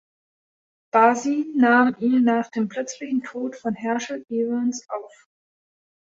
Basie nahm ihn nach dem plötzlichen Tod von Herschel Evans auf.